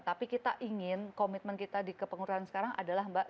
tapi kita ingin komitmen kita di kepengurusan sekarang adalah mbak